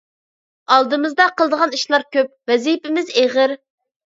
ئالدىمىزدا قىلىدىغان ئىشلار كۆپ، ۋەزىپىمىز ئېغىر.